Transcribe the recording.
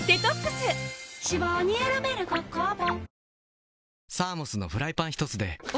脂肪に選べる「コッコアポ」